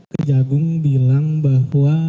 kejagung bilang bahwa